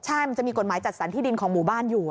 ใช่มันจะมีกฎหมายจัดสรรที่ดินของหมู่บ้านอยู่